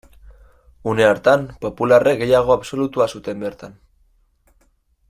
Une hartan, popularrek gehiengo absolutua zuten bertan.